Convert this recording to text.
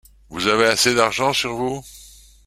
Vous avez assez d’argent sur vous ?